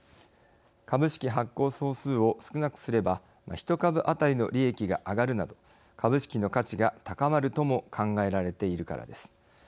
株式発行総数を少なくすれば一株あたりの利益が上がるなど株式の価値が高まるとも考えられているからです。